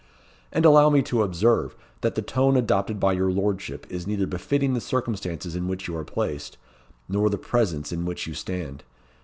And allow me to observe, that the tone adopted by your lordship is neither befitting the circumstances in which you are placed, nor the presence in which you stand.